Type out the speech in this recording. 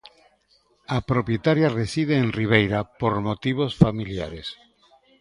A propietaria reside en Ribeira por motivos familiares.